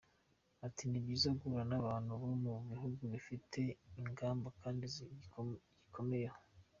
Ati “Ni byiza guhura n’abantu bo mu gihugu gifite ingamba kandi gikomeyeho.